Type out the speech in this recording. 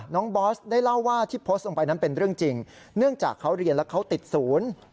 บอสได้เล่าว่าที่โพสต์ลงไปนั้นเป็นเรื่องจริงเนื่องจากเขาเรียนแล้วเขาติดศูนย์